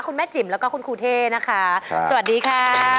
คุณแม่จิ๋มแล้วก็คุณครูเท่นะคะสวัสดีค่ะ